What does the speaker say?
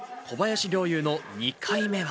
小林陵侑、２回目。